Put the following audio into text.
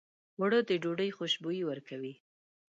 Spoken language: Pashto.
اوړه د ډوډۍ خوشبويي ورکوي